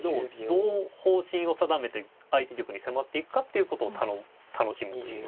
どう方針を定めて相手玉に迫っていくかっていうことを楽しむというか。